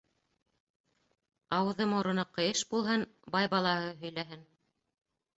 Ауыҙы-мороно ҡыйыш булһын, бай балаһы һөйләһен.